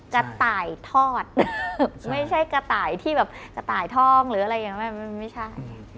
ตายทอดไม่ใช่กระต่ายที่แบบกระต่ายท่องหรืออะไรอย่างนั้นมันไม่ใช่